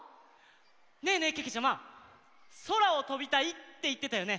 ねえねえけけちゃまそらをとびたいっていってたよね。